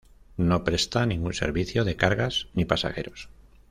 No presta ningún servicio de cargas ni pasajeros.